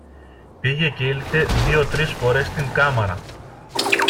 πήγε και ήλθε δυο-τρεις φορές στην κάμαρα.